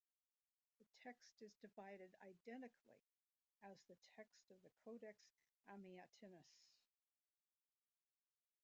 The text is divided identically as the text of the Codex Amiatinus.